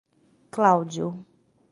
Cláudio